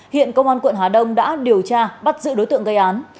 hiện công an quận hà đông đã điều tra bắt giữ đối tượng gây án